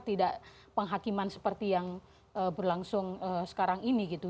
tidak penghakiman seperti yang berlangsung sekarang ini gitu